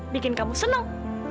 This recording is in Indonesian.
bikin kamu seneng